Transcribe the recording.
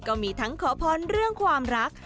ก็มีทั้งขอพรเรื่องความรัก